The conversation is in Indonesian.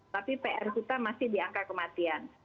tapi pr kita masih di angka kematian